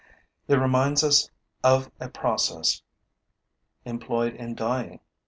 It reminds us of a process employed in dyeing.